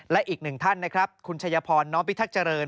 และอีกหนึ่งท่านนะครับคุณชัยพรน้อมพิทักษ์เจริญ